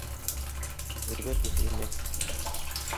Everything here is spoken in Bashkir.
Һәйбәт дуҫ ине.